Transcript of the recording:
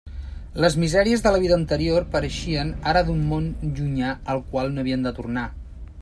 Les misèries de la vida anterior pareixien ara d'un món llunyà al qual no havien de tornar.